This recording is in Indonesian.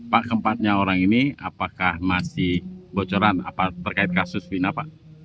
pak keempatnya orang ini apakah masih bocoran terkait kasus wina pak